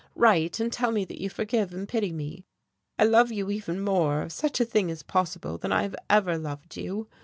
Write and tell me that you forgive and pity me. I love you even more, if such a thing is possible, than I have ever loved you.